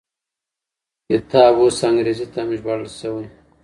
کتاب اوس انګریزي ته هم ژباړل شوی.